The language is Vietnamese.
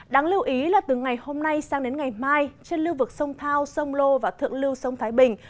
đáng lưu ý là từ ngày hôm nay sang đến ngày mai trên lưu vực sông thao sông lô và thượng lưu sông thái bình